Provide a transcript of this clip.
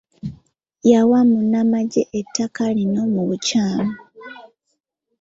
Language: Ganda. Yawa munnamagye ettaka lino mu bukyamu.